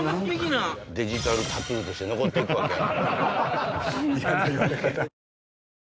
デジタルタトゥーとして残っていくわけや。